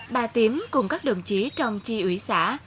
bà tím cùng các đồng chí trong chi ủy xã